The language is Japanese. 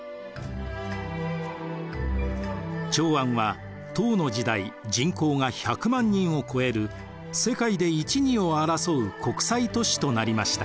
長安は唐の時代人口が１００万人を超える世界で一二を争う国際都市となりました。